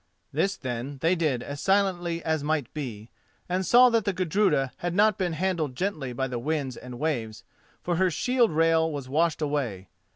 This, then, they did as silently as might be, and saw that the Gudruda had not been handled gently by the winds and waves, for her shield rail was washed away.